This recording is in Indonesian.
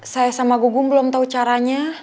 saya sama gugum belum tahu caranya